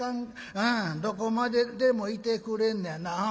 ああどこまででも行てくれんねやな。